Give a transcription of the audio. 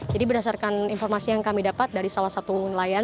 jadi berdasarkan informasi yang kami dapat dari salah satu nelayan